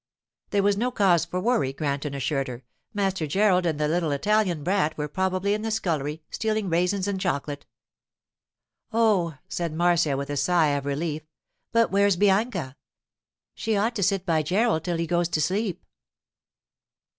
There was no cause for worry, Granton assured her. Master Gerald and that little Italian brat were probably in the scullery, stealing raisins and chocolate. 'Oh,' said Marcia, with a sigh of relief; 'but where's Bianca? She ought to sit by Gerald till he goes to sleep.